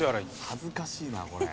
「恥ずかしいなこれ」